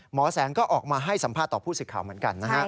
แสงก็ออกมาให้สัมภาษณ์ต่อผู้สื่อข่าวเหมือนกันนะฮะ